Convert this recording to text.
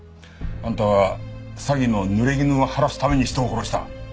あんたは詐欺の濡れ衣を晴らすために人を殺した！